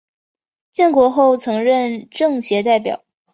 建国后曾任政协代表。